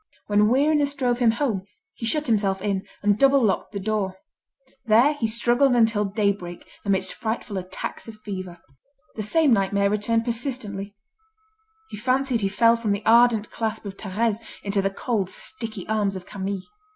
When weariness drove him home, he shut himself in, and double locked the door. There he struggled until daybreak amidst frightful attacks of fever. The same nightmare returned persistently: he fancied he fell from the ardent clasp of Thérèse into the cold, sticky arms of Camille.